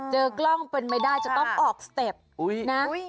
เจอกล้องเป็นไม่ได้จะต้องออกสเต็ปนะ